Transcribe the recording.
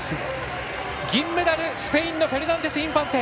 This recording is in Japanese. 銀メダル、スペインのフェルナンデスインファンテ。